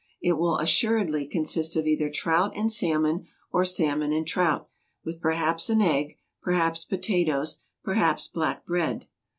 It will assuredly consist of either trout and salmon, or salmon and trout, with perhaps an egg, perhaps potatoes, perhaps black bread.